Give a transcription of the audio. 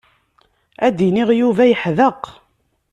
Ad d-iniɣ Yuba yeḥdeq.